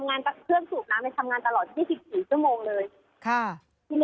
อันนี้ค่ะเครื่องสูบน้ำมันทำงานตลอด๒๔ชั่วโมงเลย